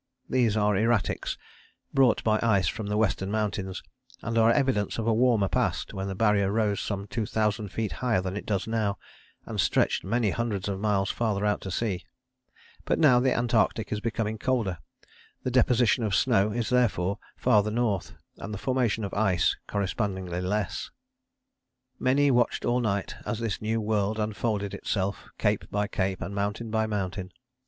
These are erratics, brought by ice from the Western Mountains, and are evidence of a warmer past when the Barrier rose some two thousand feet higher than it does now, and stretched many hundreds of miles farther out to sea. But now the Antarctic is becoming colder, the deposition of snow is therefore farther north, and the formation of ice correspondingly less. [Illustration: SOUNDING E. A. Wilson, del.] [Illustration: KRISRAVITZA] Many watched all night, as this new world unfolded itself, cape by cape and mountain by mountain.